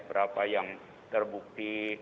berapa yang terbukti